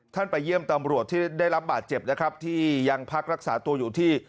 ไปเยี่ยมตำรวจที่ได้รับบาดเจ็บนะครับที่ยังพักรักษาตัวอยู่ที่